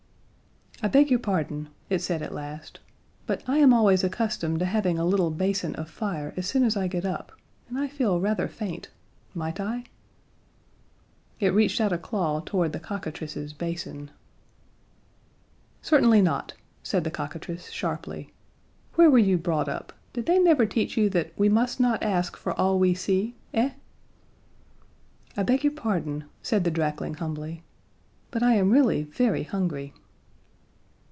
"I beg your pardon," it said at last, "but I am always accustomed to having a little basin of fire as soon as I get up, and I feel rather faint. Might I?" It reached out a claw toward the cockatrice's basin. "Certainly not," said the cockatrice sharply. "Where were you brought up? Did they never teach you that 'we must not ask for all we see'? Eh?" "I beg your pardon," said the drakling humbly, "but I am really very hungry."